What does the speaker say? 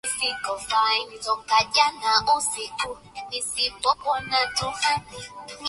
hawaamini kama ni madawa ingawa huo ndio